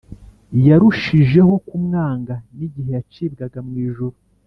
. Yarushijeho kumwanga n’igihe yacibwaga mu ijuru